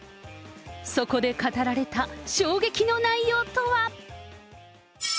そこで語られた衝撃の内容とは。